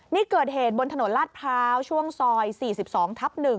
นี่เกิดเหตุบนถนนลาดพร้าวช่วงซอย๔๒ทับ๑